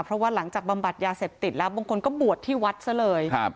เพราะว่าหลังจากบำบัดยาเสพติดแล้วบางคนก็บวชที่วัดซะเลย